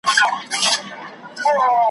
څوک له تاج سره روان وي چا اخیستې خزانې وي ,